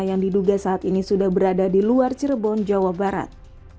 yang diduga saat ini sudah berada di luar cirebon jawa barat